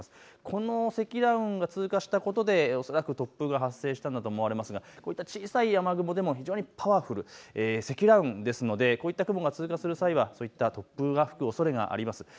この積乱雲が通過したことで恐らく突風が発生したんだと思われますが小さい雨雲でも非常にパワフル、積乱雲ですのでこういった雲が通過する際はそういった突風が吹くおそれがあります。